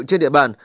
trên địa bàn